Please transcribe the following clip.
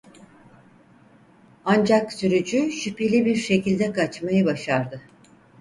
Ancak sürücü şüpheli bir şekilde kaçmayı başardı.